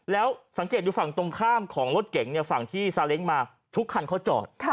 แล้วสังเกตดูฝั่งตรงข้ามของรถเก๋งฝั่งที่ซาเล้งมาทุกคันเขาจอด